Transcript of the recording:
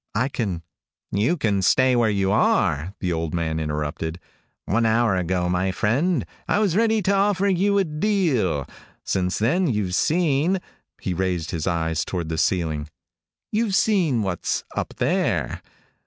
"I can " "You can stay where you are," the old man interrupted. "One hour ago, my friend, I was ready to offer you a deal. Since then you've seen " He raised his eyes toward the ceiling. "You've seen what's up there.